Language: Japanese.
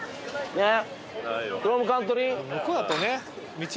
ねっ。